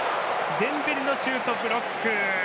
デンベレのシュート、ブロック。